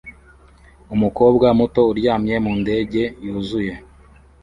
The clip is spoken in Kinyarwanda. Umukobwa muto uryamye mu ndege yuzuye